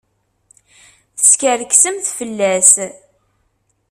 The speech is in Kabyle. Teskerksemt fell-as!